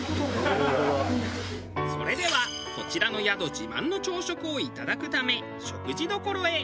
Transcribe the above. それではこちらの宿自慢の朝食をいただくため食事処へ。